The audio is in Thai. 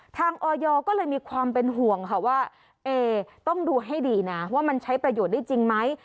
ออยก็เลยมีความเป็นห่วงค่ะว่าเอ๊ต้องดูให้ดีนะว่ามันใช้ประโยชน์ได้จริงไหม